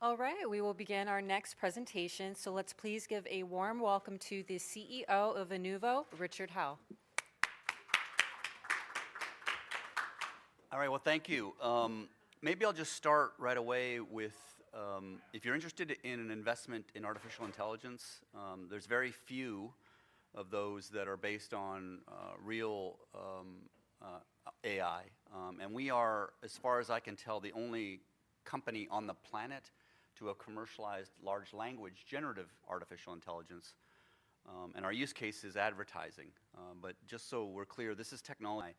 All right, we will begin our next presentation. Let's please give a warm welcome to the CEO of Inuvo, Richard Howe. All right, thank you. Maybe I'll just start right away with, if you're interested in an investment in artificial intelligence, there's very few of those that are based on real AI. We are, as far as I can tell, the only company on the planet to have commercialized large language generative artificial intelligence. Our use case is advertising. Just so we're clear, this is technology.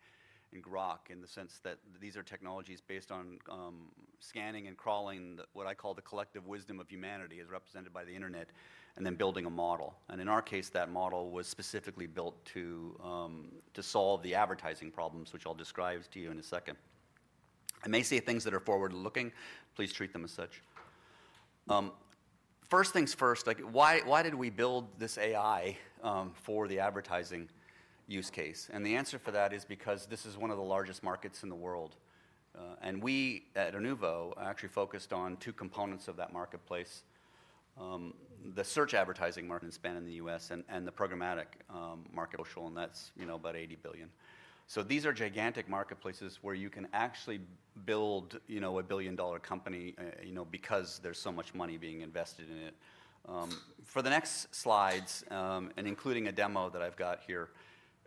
Grok, in the sense that these are technologies based on scanning and crawling what I call the collective wisdom of humanity, as represented by the internet, and then building a model. In our case, that model was specifically built to solve the advertising problems, which I'll describe to you in a second. I may say things that are forward-looking. Please treat them as such. First things first, why did we build this AI for the advertising use case? The answer for that is because this is one of the largest markets in the world. We at Inuvo actually focused on two components of that marketplace: the search advertising market in Spain and the U.S., and the programmatic market. That is about $80 billion. These are gigantic marketplaces where you can actually build a billion-dollar company because there is so much money being invested in it. For the next slides, including a demo that I have here,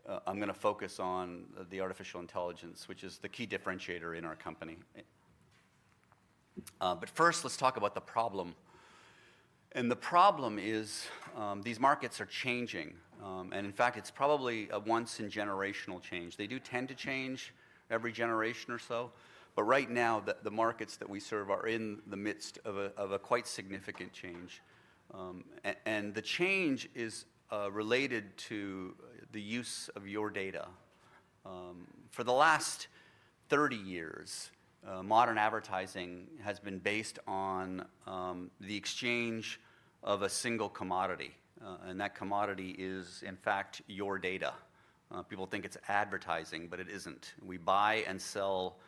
I am going to focus on the artificial intelligence, which is the key differentiator in our company. First, let's talk about the problem. The problem is these markets are changing. In fact, it is probably a once-in-generational change. They do tend to change every generation or so. Right now, the markets that we serve are in the midst of a quite significant change. The change is related to the use of your data. For the last 30 years, modern advertising has been based on the exchange of a single commodity. That commodity is, in fact, your data. People think it's advertising, but it isn't. We buy and sell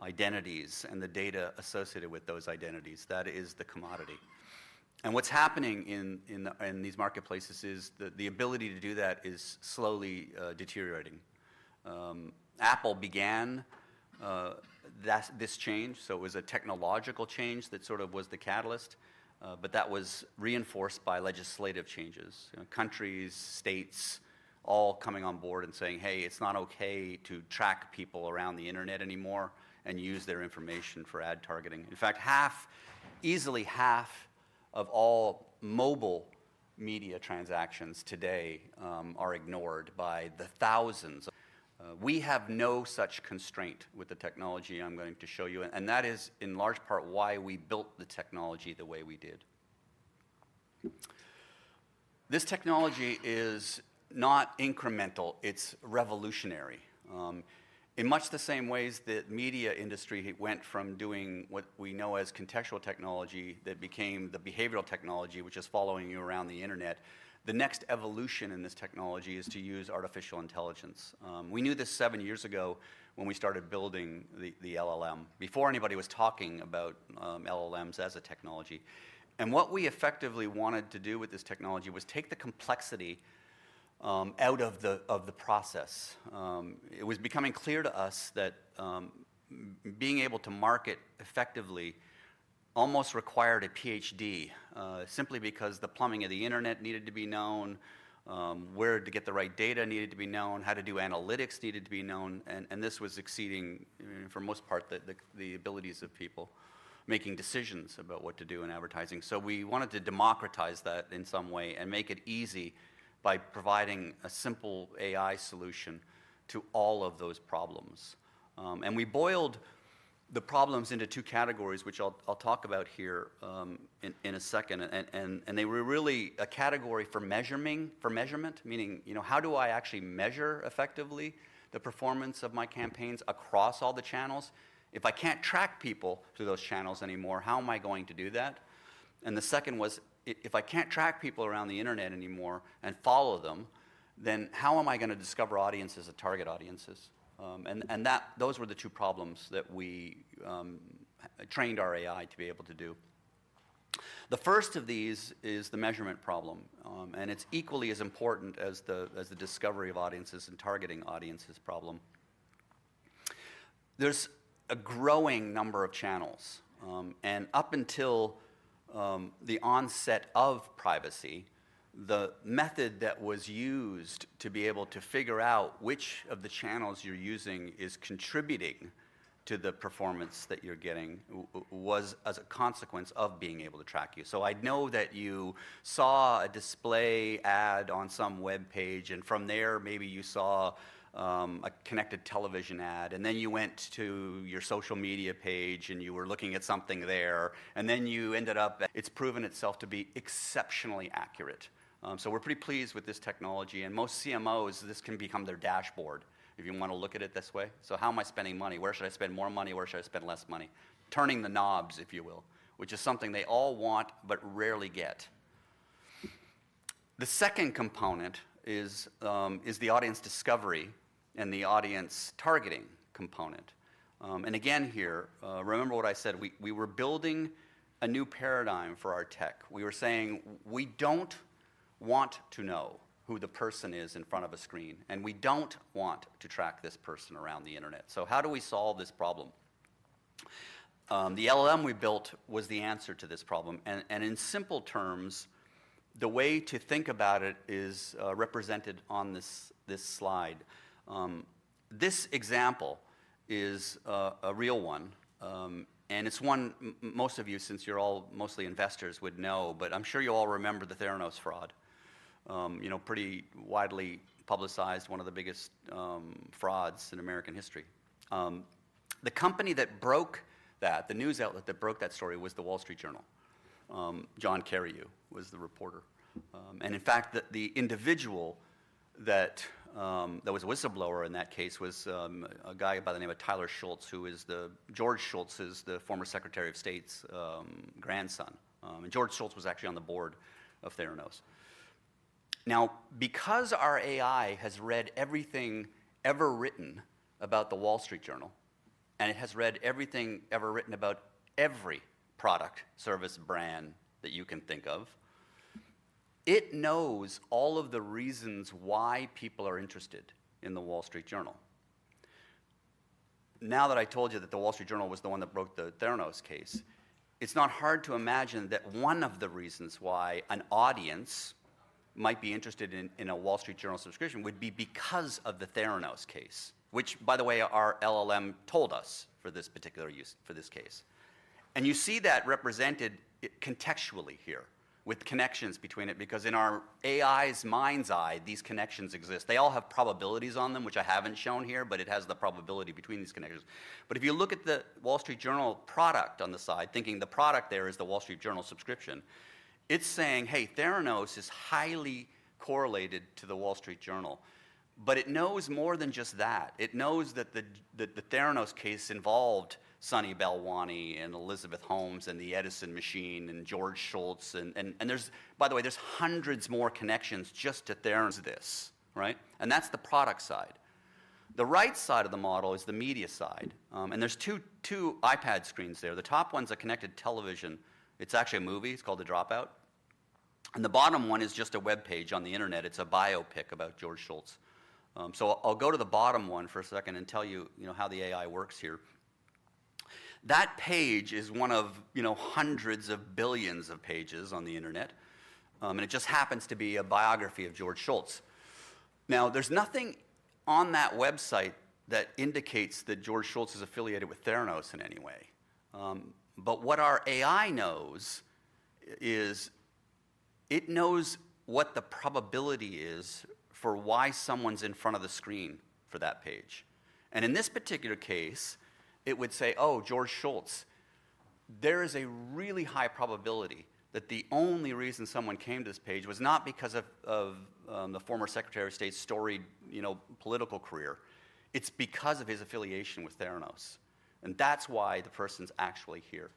identities and the data associated with those identities. That is the commodity. What's happening in these marketplaces is the ability to do that is slowly deteriorating. Apple began this change. It was a technological change that sort of was the catalyst. That was reinforced by legislative changes. Countries, states, all coming on board and saying, hey, it's not ok to track people around the internet anymore and use their information for ad targeting. In fact, easily half of all mobile media transactions today are ignored by the thousands. We have no such constraint with the technology I'm going to show you. That is, in large part, why we built the technology the way we did. This technology is not incremental. It's revolutionary. In much the same ways that the media industry went from doing what we know as contextual technology that became the behavioral technology, which is following you around the internet, the next evolution in this technology is to use artificial intelligence. We knew this seven years ago when we started building the LLM, before anybody was talking about LLMs as a technology. What we effectively wanted to do with this technology was take the complexity out of the process. It was becoming clear to us that being able to market effectively almost required a PhD, simply because the plumbing of the internet needed to be known, where to get the right data needed to be known, how to do analytics needed to be known. This was exceeding, for the most part, the abilities of people making decisions about what to do in advertising. We wanted to democratize that in some way and make it easy by providing a simple AI solution to all of those problems. We boiled the problems into two categories, which I'll talk about here in a second. They were really a category for measurement, meaning how do I actually measure effectively the performance of my campaigns across all the channels? If I can't track people through those channels anymore, how am I going to do that? The second was, if I can't track people around the internet anymore and follow them, then how am I going to discover audiences and target audiences? Those were the two problems that we trained our AI to be able to do. The first of these is the measurement problem. It is equally as important as the discovery of audiences and targeting audiences problem. There is a growing number of channels. Up until the onset of privacy, the method that was used to be able to figure out which of the channels you're using is contributing to the performance that you're getting was as a consequence of being able to track you. I know that you saw a display ad on some web page. From there, maybe you saw a connected television ad. You went to your social media page, and you were looking at something there. You ended up. It has proven itself to be exceptionally accurate. We are pretty pleased with this technology. Most CMOs, this can become their dashboard, if you want to look at it this way. How am I spending money? Where should I spend more money? Where should I spend less money? Turning the knobs, if you will, which is something they all want but rarely get. The second component is the audience discovery and the audience targeting component. Again here, remember what I said. We were building a new paradigm for our tech. We were saying, we do not want to know who the person is in front of a screen. We do not want to track this person around the internet. How do we solve this problem? The LLM we built was the answer to this problem. In simple terms, the way to think about it is represented on this slide. This example is a real one. It's one most of you, since you're all mostly investors, would know. I'm sure you all remember the Theranos fraud, pretty widely publicized, one of the biggest frauds in American history. The company that broke that, the news outlet that broke that story, was The Wall Street Journal. John Carreyrou was the reporter. In fact, the individual that was a whistleblower in that case was a guy by the name of Tyler Shultz, who is George Shultz's, former Secretary of State's, grandson. George Shultz was actually on the board of Theranos. Now, because our AI has read everything ever written about The Wall Street Journal, and it has read everything ever written about every product, service, brand that you can think of, it knows all of the reasons why people are interested in The Wall Street Journal. Now that I told you that The Wall Street Journal was the one that broke the Theranos case, it's not hard to imagine that one of the reasons why an audience might be interested in a Wall Street Journal subscription would be because of the Theranos case, which, by the way, our LLM told us for this particular case. You see that represented contextually here with connections between it. Because in our AI's mind's eye, these connections exist. They all have probabilities on them, which I haven't shown here. It has the probability between these connections. If you look at the Wall Street Journal product on the side, thinking the product there is the Wall Street Journal subscription, it's saying, hey, Theranos is highly correlated to The Wall Street Journal. It knows more than just that. It knows that the Theranos case involved Sunny Balwani and Elizabeth Holmes and the Edison machine and George Shultz. By the way, there's hundreds more connections just to Theranos. This, right? That's the product side. The right side of the model is the media side. There's two iPad screens there. The top one's a connected television. It's actually a movie. It's called The Dropout. The bottom one is just a web page on the internet. It's a biopic about George Shultz. I'll go to the bottom one for a second and tell you how the AI works here. That page is one of hundreds of billions of pages on the internet. It just happens to be a biography of George Shultz. Now, there is nothing on that website that indicates that George Shultz is affiliated with Theranos in any way. What our AI knows is it knows what the probability is for why someone's in front of the screen for that page. In this particular case, it would say, oh, George Shultz, there is a really high probability that the only reason someone came to this page was not because of the former Secretary of State's storied political career. It is because of his affiliation with Theranos. That is why the person's actually here.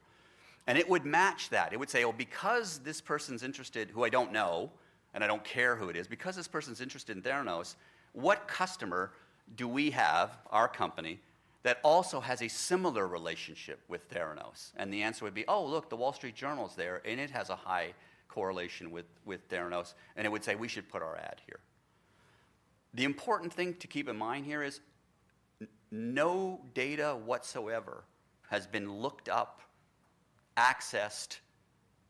It would match that. It would say, oh, because this person's interested, who I don't know, and I don't care who it is, because this person's interested in Theranos, what customer do we have, our company, that also has a similar relationship with Theranos? The answer would be, oh, look, The Wall Street Journal's there. It has a high correlation with Theranos. It would say, we should put our ad here. The important thing to keep in mind here is no data whatsoever has been looked up, accessed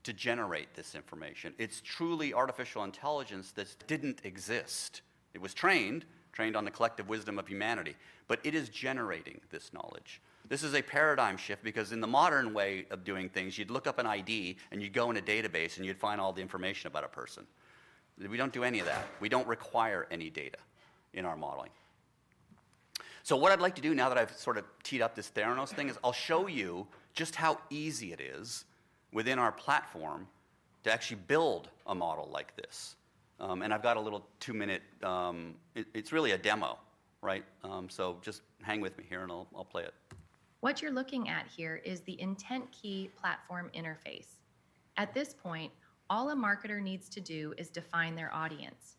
to generate this information. It's truly artificial intelligence that didn't exist. It was trained, trained on the collective wisdom of humanity. It is generating this knowledge. This is a paradigm shift. In the modern way of doing things, you'd look up an ID, and you'd go in a database, and you'd find all the information about a person. We do not do any of that. We do not require any data in our modeling. What I would like to do now that I have sort of teed up this Theranos thing is I will show you just how easy it is within our platform to actually build a model like this. I have got a little two-minute, it is really a demo, right? Just hang with me here, and I will play it. What you're looking at here is the IntentKey platform interface. At this point, all a marketer needs to do is define their audience.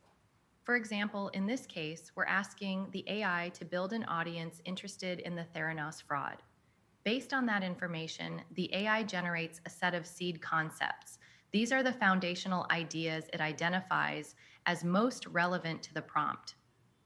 For example, in this case, we're asking the AI to build an audience interested in the Theranos fraud. Based on that information, the AI generates a set of seed concepts. These are the foundational ideas it identifies as most relevant to the prompt.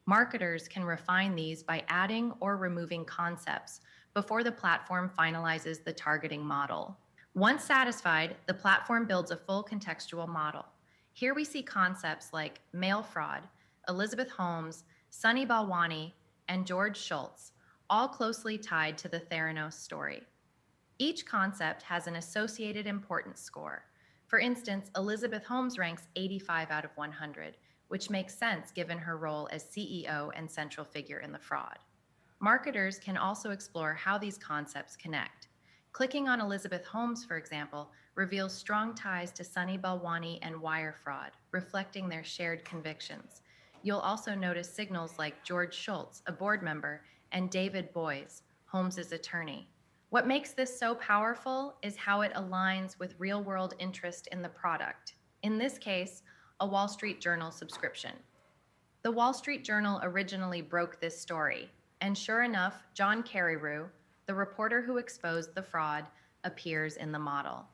Marketers can refine these by adding or removing concepts before the platform finalizes the targeting model. Once satisfied, the platform builds a full contextual model. Here we see concepts like mail fraud, Elizabeth Holmes, Sunny Balwani, and George Shultz, all closely tied to the Theranos story. Each concept has an associated importance score. For instance, Elizabeth Holmes ranks 85 out of 100, which makes sense given her role as CEO and central figure in the fraud. Marketers can also explore how these concepts connect. Clicking on Elizabeth Holmes, for example, reveals strong ties to Sunny Balwani and wire fraud, reflecting their shared convictions. You'll also notice signals like George Shultz, a board member, and David Boies, Holmes' attorney. What makes this so powerful is how it aligns with real-world interest in the product, in this case, a Wall Street Journal subscription. The Wall Street Journal originally broke this story. Sure enough, John Carreyrou, the reporter who exposed the fraud, appears in the model.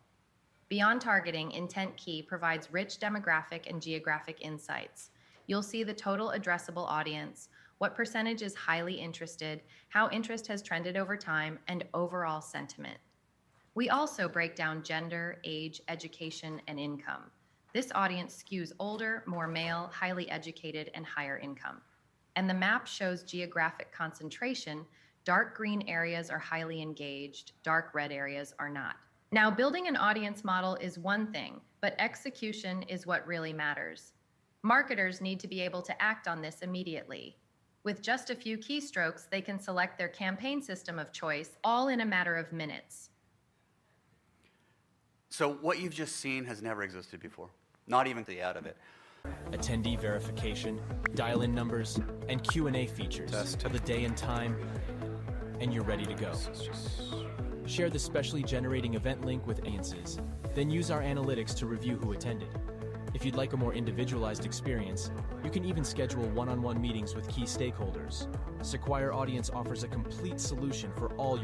Beyond targeting, IntentKey provides rich demographic and geographic insights. You'll see the total addressable audience, what percentage is highly interested, how interest has trended over time, and overall sentiment. We also break down gender, age, education, and income. This audience skews older, more male, highly educated, and higher income. The map shows geographic concentration. Dark green areas are highly engaged. Dark red areas are not. Now, building an audience model is one thing. Execution is what really matters. Marketers need to be able to act on this immediately. With just a few keystrokes, they can select their campaign system of choice all in a matter of minutes. What you've just seen has never existed before. Not even the ad of it. Attendee verification, dial-in numbers, and Q&A features. Test of the day and time, and you are ready to go. Share the specially generating event link with audiences. Use our analytics to review who attended. If you would like a more individualized experience, you can even schedule one-on-one meetings with key stakeholders. Sequire Audience offers a complete solution for all.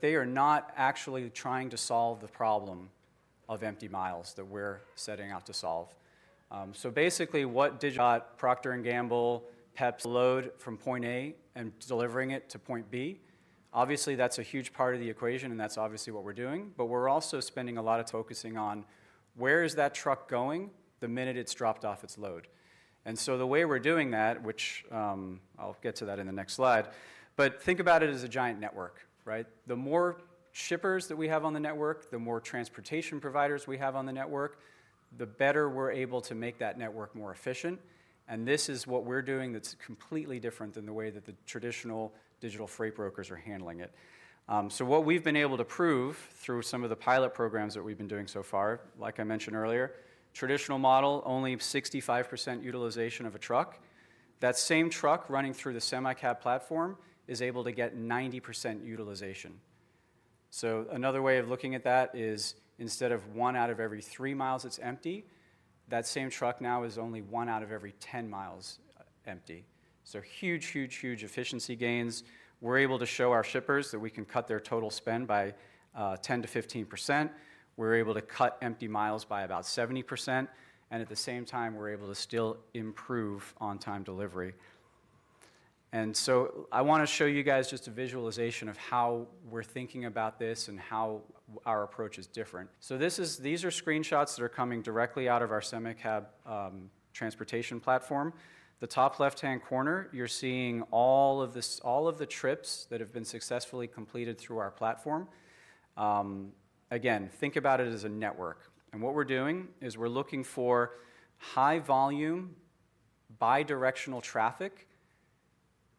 They are not actually trying to solve the problem of empty miles that we're setting out to solve. Basically, what Procter & Gamble, Pepsi, load from point A and delivering it to point B? Obviously, that's a huge part of the equation. That's obviously what we're doing. We're also spending a lot of focusing on where is that truck going the minute it's dropped off its load. The way we're doing that, which I'll get to that in the next slide, think about it as a giant network, right? The more shippers that we have on the network, the more transportation providers we have on the network, the better we're able to make that network more efficient. This is what we're doing that's completely different than the way that the traditional digital freight brokers are handling it. What we've been able to prove through some of the pilot programs that we've been doing so far, like I mentioned earlier, traditional model, only 65% utilization of a truck. That same truck running through the SemiCab platform is able to get 90% utilization. Another way of looking at that is instead of one out of every three miles it's empty, that same truck now is only one out of every 10 miles empty. Huge, huge, huge efficiency gains. We're able to show our shippers that we can cut their total spend by 10%-15%. We're able to cut empty miles by about 70%. At the same time, we're able to still improve on-time delivery. I want to show you guys just a visualization of how we're thinking about this and how our approach is different. These are screenshots that are coming directly out of our SemiCab transportation platform. In the top left-hand corner, you're seeing all of the trips that have been successfully completed through our platform. Again, think about it as a network. What we're doing is we're looking for high-volume bidirectional traffic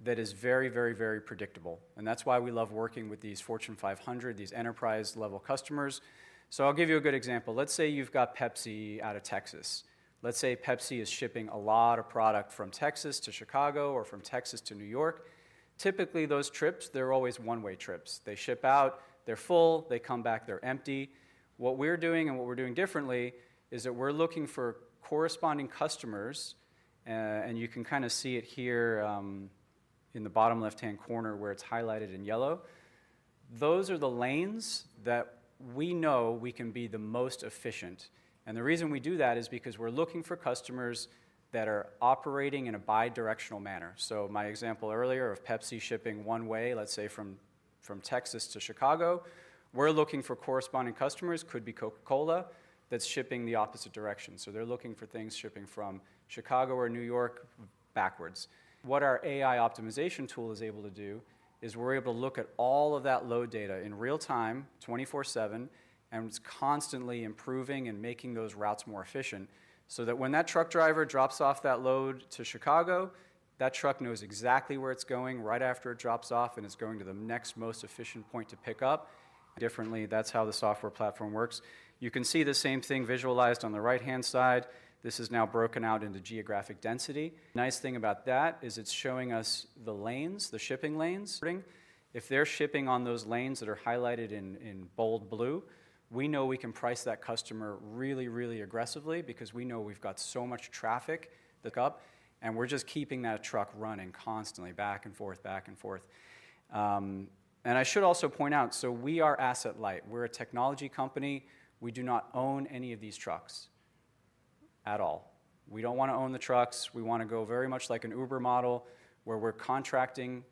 that is very, very, very predictable. That's why we love working with these Fortune 500, these enterprise-level customers. I'll give you a good example. Let's say you've got Pepsi out of Texas. Let's say Pepsi is shipping a lot of product from Texas to Chicago or from Texas to New York. Typically, those trips, they're always one-way trips. They ship out. They're full. They come back. They're empty. What we're doing and what we're doing differently is that we're looking for corresponding customers. You can kind of see it here in the bottom left-hand corner where it's highlighted in yellow. Those are the lanes that we know we can be the most efficient. The reason we do that is because we're looking for customers that are operating in a bidirectional manner. My example earlier of Pepsi shipping one way, let's say from Texas to Chicago, we're looking for corresponding customers, could be Coca-Cola, that's shipping the opposite direction. They're looking for things shipping from Chicago or New York backwards. What our AI optimization tool is able to do is we're able to look at all of that load data in real time, 24/7, and it's constantly improving and making those routes more efficient so that when that truck driver drops off that load to Chicago, that truck knows exactly where it's going right after it drops off, and it's going to the next most efficient point to pick up. Differently, that's how the software platform works. You can see the same thing visualized on the right-hand side. This is now broken out into geographic density. The nice thing about that is it's showing us the lanes, the shipping lanes. If they're shipping on those lanes that are highlighted in bold blue, we know we can price that customer really, really aggressively because we know we've got so much traffic that's up. We're just keeping that truck running constantly, back and forth, back and forth. I should also point out, we are asset light. We're a technology company. We do not own any of these trucks at all. We don't want to own the trucks. We want to go very much like an Uber model where we're contracting,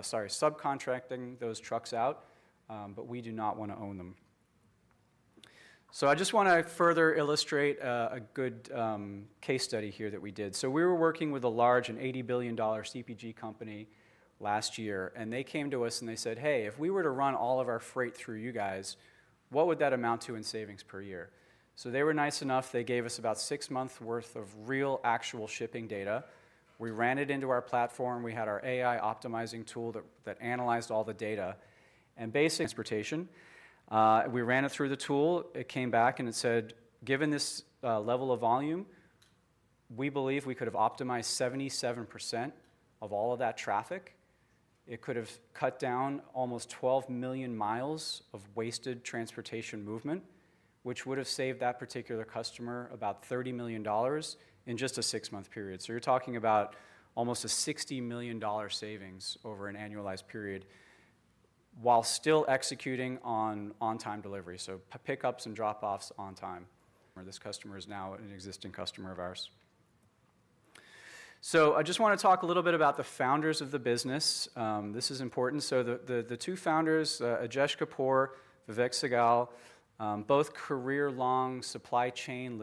sorry, subcontracting those trucks out. We do not want to own them. I just want to further illustrate a good case study here that we did. We were working with a large and $80 billion CPG company last year. They came to us and they said, hey, if we were to run all of our freight through you guys, what would that amount to in savings per year? They were nice enough. They gave us about six months' worth of real actual shipping data. We ran it into our platform. We had our AI optimizing tool that analyzed all the data. Basic transportation. We ran it through the tool. It came back and it said, given this level of volume, we believe we could have optimized 77% of all of that traffic. It could have cut down almost 12 million miles of wasted transportation movement, which would have saved that particular customer about $30 million in just a six-month period. You are talking about almost a $60 million savings over an annualized period while still executing on-time delivery. Pickups and drop-offs on time. This customer is now an existing customer of ours. I just want to talk a little bit about the founders of the business. This is important. The two founders, Ajay Cooper, Vivek Sehgal, both career-long supply chain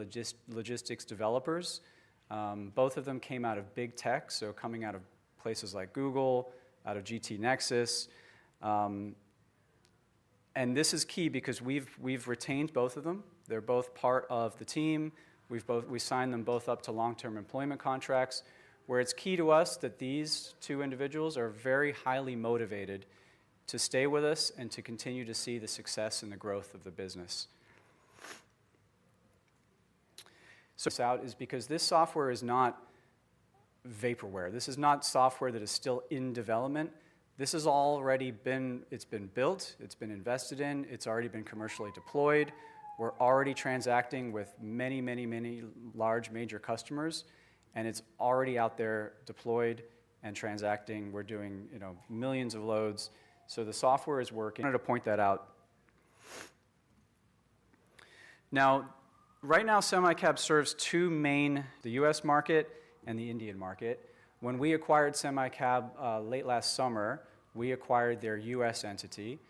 logistics developers. Both of them came out of big tech, coming out of places like Google, out of GT Nexus. This is key because we've retained both of them. They're both part of the team. We signed them both up to long-term employment contracts, where it's key to us that these two individuals are very highly motivated to stay with us and to continue to see the success and the growth of the business. This is because this software is not vaporware. This is not software that is still in development. This has already been built. It's been invested in. It's already been commercially deployed. We're already transacting with many, many, many large major customers. It's already out there deployed and transacting. We're doing millions of loads. The software is working. To point that out. Now, right now, SemiCab serves two main markets: the US market and the Indian market. When we acquired SemiCab late last summer, we acquired their US entity.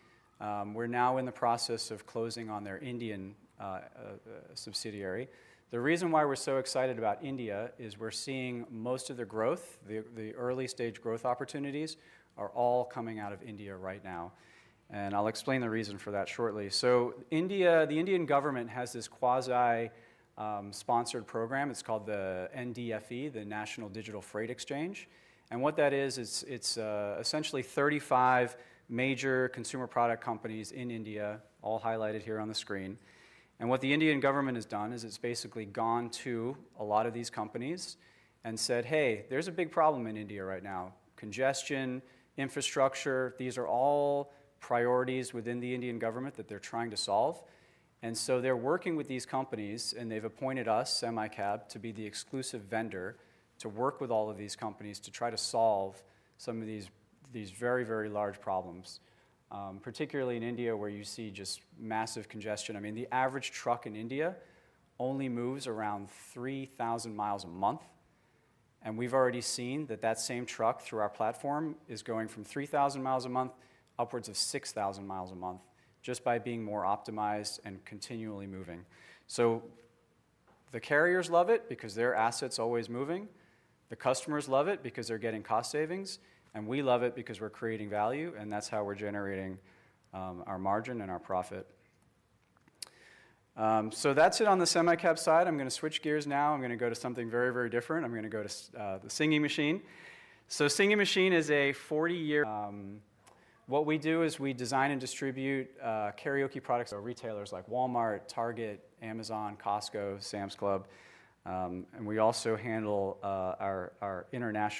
We're now in the process of closing on their Indian subsidiary. The reason why we're so excited about India is we're seeing most of the growth, the early-stage growth opportunities, are all coming out of India right now. I'll explain the reason for that shortly. The Indian government has this quasi-sponsored program. It's called the NDFE, the National Digital Freight Exchange. What that is, it's essentially 35 major consumer product companies in India, all highlighted here on the screen. What the Indian government has done is it's basically gone to a lot of these companies and said, hey, there's a big problem in India right now: congestion, infrastructure. These are all priorities within the Indian government that they're trying to solve. They are working with these companies. They have appointed us, SemiCab, to be the exclusive vendor to work with all of these companies to try to solve some of these very, very large problems, particularly in India where you see just massive congestion. I mean, the average truck in India only moves around 3,000 mi a month. We have already seen that that same truck through our platform is going from 3,000 mi a month upwards of 6,000 mi a month just by being more optimized and continually moving. The carriers love it because their assets are always moving. The customers love it because they're getting cost savings. We love it because we're creating value. That is how we're generating our margin and our profit. That is it on the SemiCab side. I'm going to switch gears now. I'm going to go to something very, very different. I'm going to go to the Singing Machine. So Singing Machine is a 40-year brand. What we do is we design and distribute karaoke products to retailers like Walmart, Target, Amazon, Costco, Sam's Club. We also handle our international.